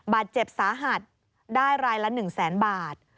บาดเจ็บสาหัสได้รายละ๑แสนบาท